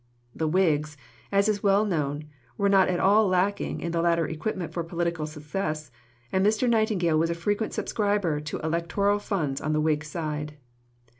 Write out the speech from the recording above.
The Whigs, as is well known, were not all lacking in the latter equipment for political success, and Mr. Nightingale was a frequent subscriber to electoral funds on the Whig side.